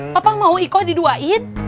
papa mau ikoh diduain